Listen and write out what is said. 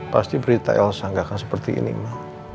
pasti berita elsa gak akan seperti ini ma